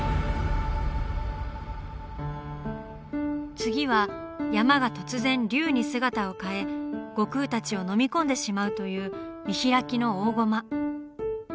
次は山が突然龍に姿を変え悟空たちをのみ込んでしまうという見開きの大ゴマ。